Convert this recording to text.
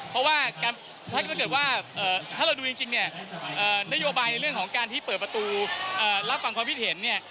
เพราะว่าถ้าเกิดว่าถ้าเราดูจริงเนี่ยนโยบายในเรื่องของการที่เปิดประตูรับฟังความคิดเห็นเนี่ย